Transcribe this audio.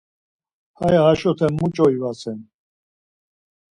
Haya haşoten muç̌o ivasen.